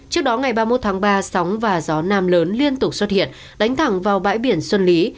trước đó ngày ba mươi một tháng ba sóng và gió nam lớn liên tục xuất hiện đánh thẳng vào bãi biển xuân lý